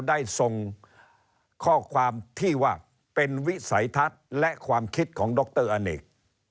ได้ส่งข้อความที่ว่าเป็นวิสัยทัศน์และความคิดของดรอเนก